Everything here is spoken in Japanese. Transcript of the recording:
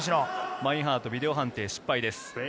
マインハート、ビデオ判定、失敗です。